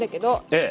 ええ。